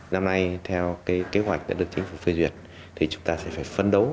năm nay theo cái kế hoạch đã được chính phủ phê duyệt thì chúng ta sẽ phải phân đấu